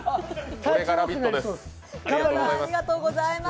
これが「ラヴィット！」です。